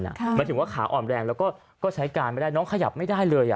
หมายถึงว่าขาอ่อนแรงแล้วก็ใช้การไม่ได้น้องขยับไม่ได้เลย